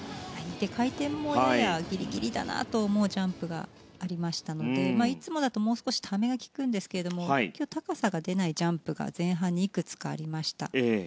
回転もややギリギリだなと思うジャンプがありましたのでいつもだともう少しためが利くんですが今日、高さが出ないジャンプが前半にいくつかありました。